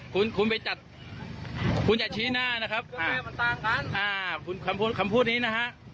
คุณคุณไปจัดคุณอย่าชี้หน้านะครับอ่าคุณคำพูดคำพูดนี้นะฮะ